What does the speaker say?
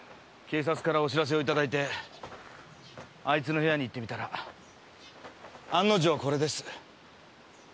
警察からお知らせをいただいてあいつの部屋に行ってみたら案の定これです。